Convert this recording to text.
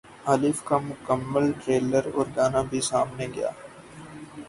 الف کا مکمل ٹریلر اور گانا بھی سامنے گیا